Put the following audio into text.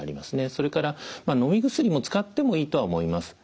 それからのみ薬も使ってもいいとは思います。